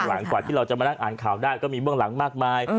หลังกว่าที่เราจะมานั่งอ่านข่าวได้ก็มีเบื้องหลังมากมาย